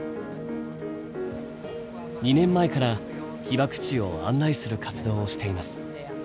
２年前から被爆地を案内する活動をしています。